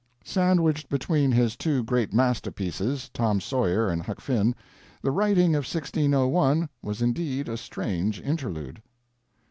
Sandwiched between his two great masterpieces, Tom Sawyer and Huck Finn, the writing of 1601 was indeed a strange interlude.